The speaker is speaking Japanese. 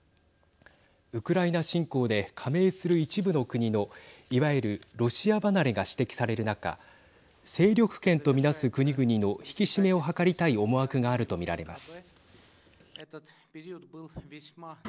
ウクライナ侵攻で加盟する一部の国のいわゆるロシア離れが指摘される中勢力圏と見なす国々の引き締めを図りたい思惑があると見られます。